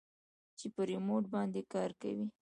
چې په ريموټ باندې کار کوي.